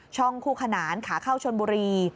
คู่ขนานขาเข้าชนบุรี